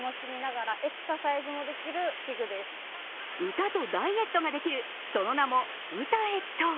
歌とダイエットができる、その名もウタエット。